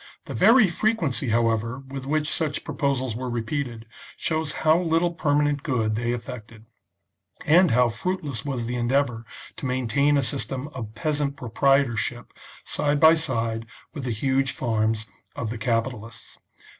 The very frequency, however, with which such proposals were repeated, shows how little permanent good they effected, and how fruitless was the endeavour to main tain a system of peasant proprietorship side by side with the huge farms of the capitalists.